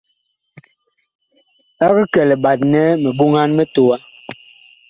Eg kɛ liɓat nɛ mi ɓoŋhan mitowa.